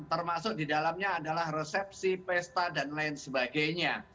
termasuk di dalamnya adalah resepsi pesta dan lain sebagainya